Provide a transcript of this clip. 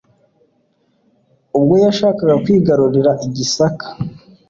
ubwo yashakaga kwigarurira I Gisaka.